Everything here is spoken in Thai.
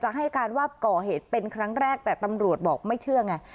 ให้การว่าก่อเหตุเป็นครั้งแรกแต่ตำรวจบอกไม่เชื่อไง